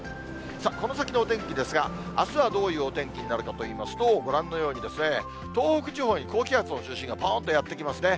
さあ、この先のお天気ですが、あすはどういうお天気になるかといいますと、ご覧のように、東北地方に高気圧の中心がぽーんとやって来ますね。